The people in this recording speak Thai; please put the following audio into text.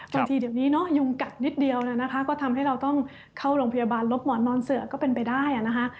บางทีเดี๋ยวนี้เนาะยุงกัดนิดเดียวนะคะก็ทำให้เราต้องเข้าโรงพยาบาลลบหมอนนอนเสือก็เป็นไปได้นะคะ